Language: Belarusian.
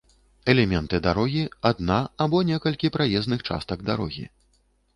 Элементы дарогі — адна або некалькі праезных частак дарогі